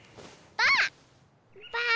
ばあ！